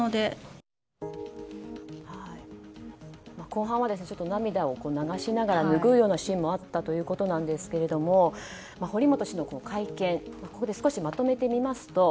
後半は涙を流しながら拭うようなシーンもあったということなんですけども堀本氏の会見をここでまとめてみます。